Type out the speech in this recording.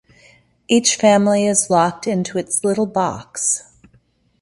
Each family is locked into its little box.